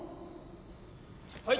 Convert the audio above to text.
はい。